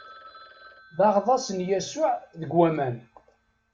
D aɣḍaṣ n Yasuɛ deg waman.